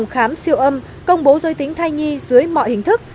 khám siêu âm công bố giới tính thai nhi dưới mọi hình thức